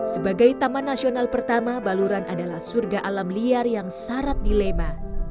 sebagai taman nasional pertama baluran adalah surga alam liar yang syarat dilema